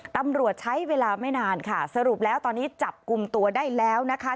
ตำรวจใช้เวลาไม่นานค่ะสรุปแล้วตอนนี้จับกลุ่มตัวได้แล้วนะคะ